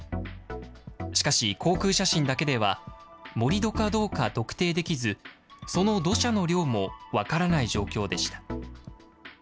しかし、航空写真だけでは、盛り土かどうか特定できず、その土砂の量も分からない状況でした。